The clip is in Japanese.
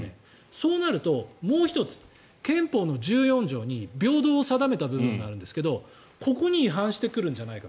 そうなると、もう１つ憲法の１４条に平等を定めた部分があるんですがここに違反してくるんじゃないか。